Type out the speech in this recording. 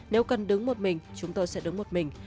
nếu cần đứng một mình chúng tôi sẽ đứng một mình